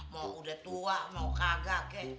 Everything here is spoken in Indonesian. mau udah tua mau kagak kek